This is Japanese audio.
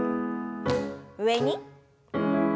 上に。